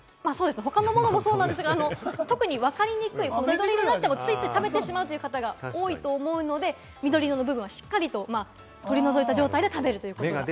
他のものもそうなんですが、特にわかりにくい緑色になってもついつい食べてしまうという方が多いと思うので、緑色の部分はしっかり取り除いた状態で食べると。